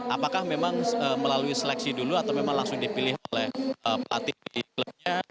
apakah memang melalui seleksi dulu atau memang langsung dipilih oleh pelatih di klubnya